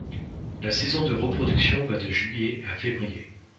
La saison de reproduction va de juillet à février.